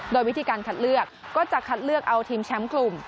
โดยวิธีการคัดเลือกก็จะคัดเลือกเอาทีมแชมป์กลุ่ม